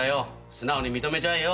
素直に認めちゃえよ。